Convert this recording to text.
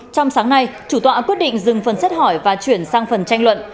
trong sáng nay chủ tọa quyết định dừng phần xét hỏi và chuyển sang phần tranh luận